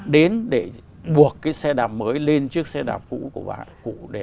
đến để buộc cái xe đạp mới lên chiếc xe đạp cũ của bạn